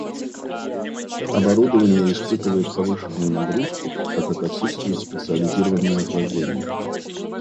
Оборудование испытывает повышенную нагрузку, так как отсутствует специализированное охлаждение